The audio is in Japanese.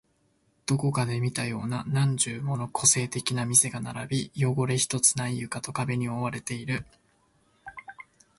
どこかで見たような何十もの個性的な店が並び、汚れ一つない床と壁に覆われている